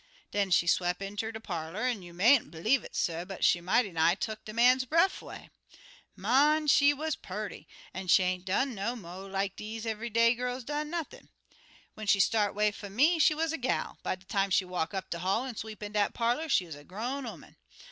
Den she swep' inter de parlor, an', you mayn't blieve it, suh, but she mighty nigh tuck de man's breff 'way. Mon, she wuz purty, an' she ain't do no mo' like deze eve'y day gals dan nothin'. When she start 'way fum me, she wuz a gal. By de time she walk up de hall an' sweep in dat parlor, she wuz a grown 'oman.